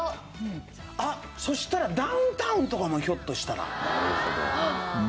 あっそしたらダウンタウンとかもひょっとしたら。